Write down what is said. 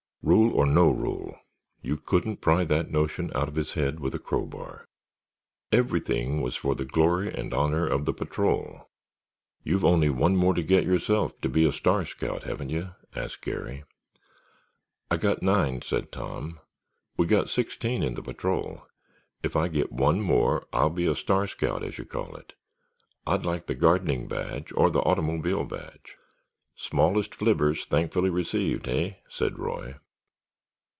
Rule or no rule, you couldn't pry that notion out of his head with a crowbar. Everything was for the glory and honor of the patrol. "You've only one more to get yourself to be a star scout, haven't you?" asked Garry. "I got nine," said Tom. "We got sixteen in the patrol. If I get one more I'll be a star scout as you call it. I'd like the Gardening Badge or the Automobile Badge——" "Smallest flivvers thankfully received, hey?" said Roy.